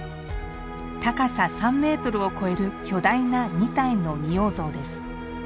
高さ３メートルを超える巨大な二体の仁王像です。